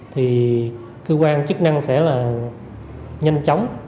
thì cơ quan chức năng sẽ là nhanh chóng